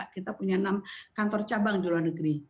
kita punya enam kantor cabang di luar negeri